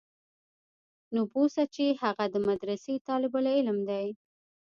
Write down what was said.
نو پوه سه چې هغه د مدرسې طالب العلم دى.